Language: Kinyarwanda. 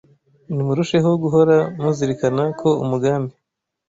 Nimurusheho guhora muzirikana ko umugambi